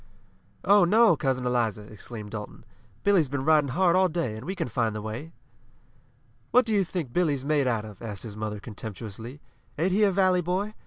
"Oh, no, Cousin Eliza!" exclaimed Dalton. "Billy's been riding hard all day, and we can find the way." "What do you think Billy's made out of?" asked his mother contemptuously. "Ain't he a valley boy?